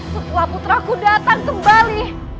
setelah putra ku datang kembali